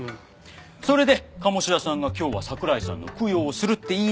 それで鴨志田さんが今日は桜井さんの供養をするって言い出して。